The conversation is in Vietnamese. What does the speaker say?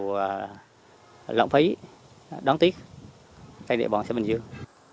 điều lãng phí đáng tiếc tại địa bàn xã bình dương